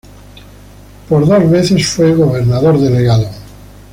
Por dos veces fue gobernador delegado.